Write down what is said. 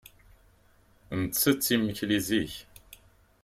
Nettett imekli zik.